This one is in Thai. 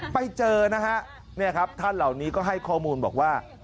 ไปเจอนะฮะเนี่ยครับท่านเหล่านี้ก็ให้ข้อมูลบอกว่า